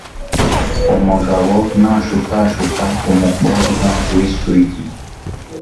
umugabo nashukashuka umukobwa w isugi